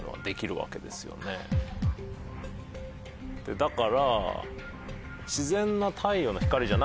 だから。